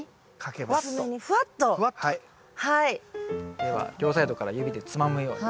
では両サイドから指でつまむように。